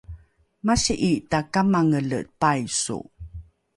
masi’i takamangele paiso